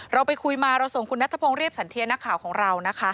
เราไปคุยมาเราส่งคุณณตระพงเรียกกับนักข่าวของเรา